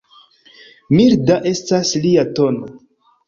Milda estas lia tono.